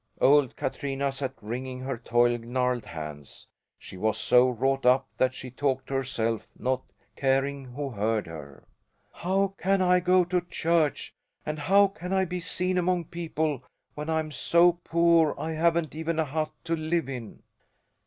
Old Katrina sat wringing her toil gnarled hands. She was so wrought up that she talked to herself, not caring who heard her. "How can I go to church and how can I be seen among people when I'm so poor I haven't even a hut to live in?"